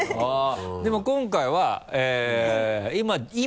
でも今回は今！